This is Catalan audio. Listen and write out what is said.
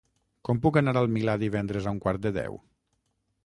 Com puc anar al Milà divendres a un quart de deu?